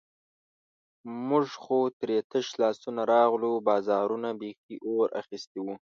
موږ خو ترې تش لاسونه راغلو، بازارونو بیخي اور اخیستی وو.